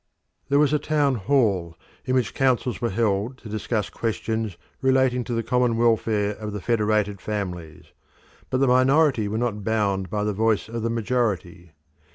There was a town hall in which councils were held to discuss questions relating to the common welfare of the federated families, but the minority were not bound by the voice of the majority.